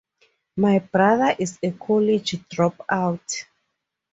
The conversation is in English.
My brother is a college dropout.